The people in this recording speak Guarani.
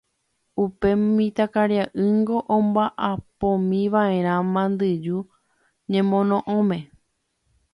Upe mitãkaria'ýngo omba'apómiva'erã mandyju ñemono'õme.